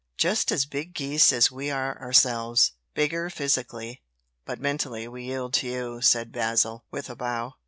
"Just as big geese as we are ourselves." "Bigger, physically, but mentally we yield to you," said Basil, with a bow.